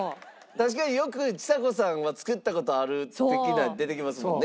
確かによくちさ子さんは作った事ある的なの出てきますもんね。